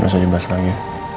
gak usah jembas lagi